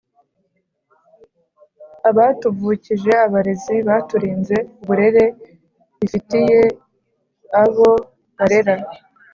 abatuvukije abarezi baturinze uburere bifitiye abo barera